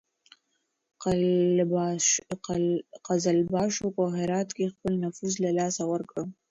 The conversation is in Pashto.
قزلباشو په هرات کې خپل نفوذ له لاسه ورکړ.